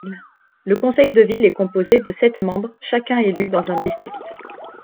Le conseil de ville est composé de sept membres chacun élu dans un district.